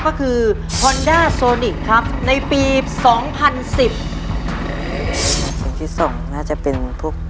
ก็คือฮอนด้าโซนิกครับในปีสองพันสิบสิ่งที่สองน่าจะเป็นพวก